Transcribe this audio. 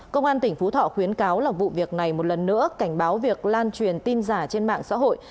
công an tỉnh phú thọ khuyến cáo là vụ việc này một lần nữa cảnh báo việc lan truyền tin giả trên mạng xã hội